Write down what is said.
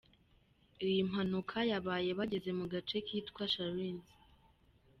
Iyi mpanuka yabaye bageze mu gace kitwa Chalinze.